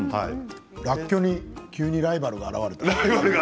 らっきょうに急にライバルが現れた。